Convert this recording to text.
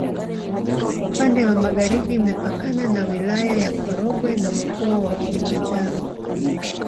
Upande wa magharibi imepakana na Wilaya ya Korogwe na Mkoa wa Kilimanjaro.